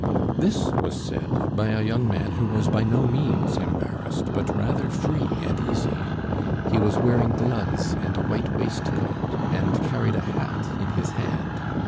This was said by a young man who was by no means embarrassed, but rather free and easy. He was wearing gloves and a white waistcoat, and carried a hat in his hand.